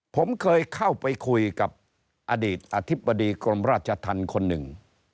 ผมเคยเข้าไปคุยกับอดีตอธิบดีกรมราชธรรมคนหนึ่ง